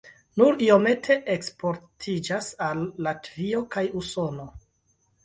Nur iomete eksportiĝas al Latvio kaj Usono.